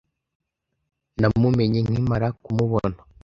Namumenye nkimara kumubona.